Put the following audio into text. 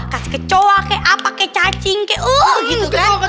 kasih kecoa kayak apa pakai cacing kayak oh gitu kan